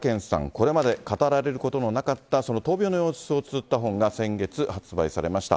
これまで語られることのなかった、その闘病の様子をつづった本が、先月、発売されました。